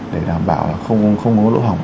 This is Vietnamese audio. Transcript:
để đảm bảo không có lỗ hỏng